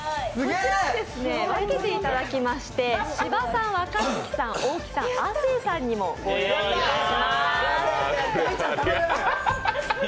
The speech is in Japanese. こちらを分けていただきまして、芝さん、若槻さん、大木さん、亜生さんにもご用意いたします。